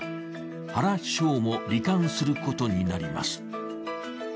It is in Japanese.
原首相もり患することになります。